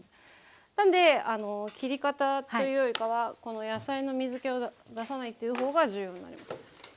なんで切り方というよりかは野菜の水けを出さないという方が重要になります。